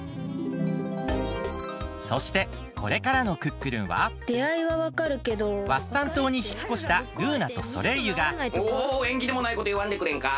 そしてこれからの「クックルン」はワッサンとうにひっこしたルーナとソレイユがおえんぎでもないこといわんでくれんか。